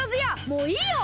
もういいよ！